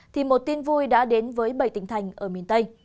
thì một tin vui đã đến với bảy tỉnh thành ở miền tây